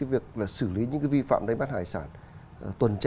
việc xử lý những vi phạm đánh bắt hải sản